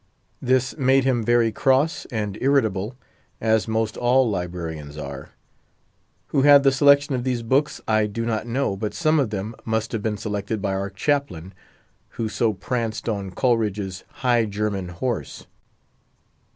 This made him very cross and irritable, as most all librarians are. Who had the selection of these books, I do not know, but some of them must have been selected by our Chaplain, who so pranced on Coleridge's "High German horse."